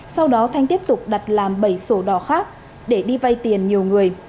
sau đó thanh tiếp tục đặt làm bảy sổ đỏ khác để đi vay tiền nhiều người